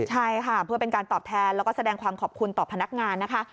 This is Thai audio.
ใช่ค่ะเพื่อเป็นการตอบแทนแล้วก็แสดงความขอบคุณต่อพนักงานนะคะ